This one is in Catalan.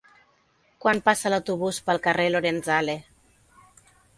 Quan passa l'autobús pel carrer Lorenzale?